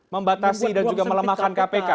membatasi dan juga melemahkan kpk